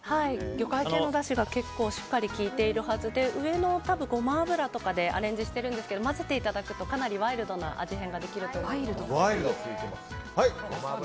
魚介系のだしが結構しっかり効いているはずで上のゴマ油とかでアレンジしてるんですけど混ぜていただくとかなりワイルドな味変ができると思います。